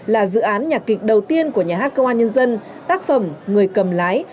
là dự án nhạc kịch đầu tiên của nhà hát công an nhân dân tác phẩm người cầm lái